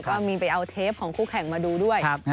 ก็มีไปเอาเทปของคู่แข่งมาดูด้วย